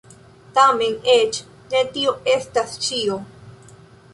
Tamen eĉ ne tio estas ĉio.